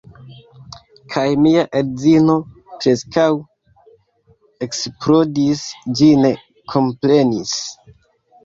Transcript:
Kaj mia edzino preskaŭ eksplodis, ĝi ne komprenis.